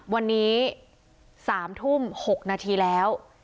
วันนี้๓ทุ่ม๖นาทีแล้ว